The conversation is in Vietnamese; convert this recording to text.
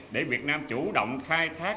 để việt nam chủ động khai thác